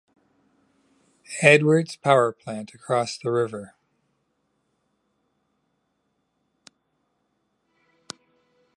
Edwards Power Plant across the river.